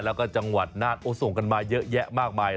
แล้วก็จังหวัดน่านส่งกันมาเยอะแยะมากมาย